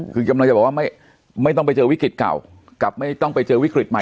คือกำลังจะบอกว่าไม่ต้องไปเจอวิกฤตเก่ากับไม่ต้องไปเจอวิกฤตใหม่